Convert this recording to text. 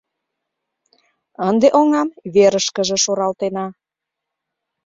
Ынде оҥам верышкыже шуралтена.